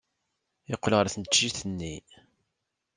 Yeqqel ɣer tneččit-nni.